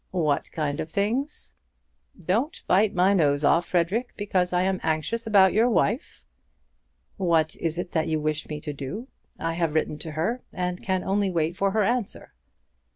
"What kind of things?" "Don't bite my nose off, Frederic, because I am anxious about your wife." "What is it that you wish me to do? I have written to her, and can only wait for her answer."